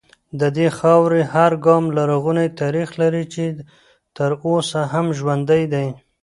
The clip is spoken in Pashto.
د دې خاورې هر ګام لرغونی تاریخ لري چې تر اوسه هم ژوندی دی